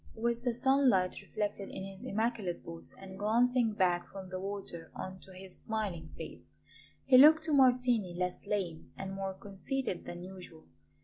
With the sunlight reflected in his immaculate boots and glancing back from the water on to his smiling face, he looked to Martini less lame and more conceited than usual.